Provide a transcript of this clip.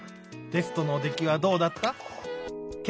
テストのできはどうだった？」。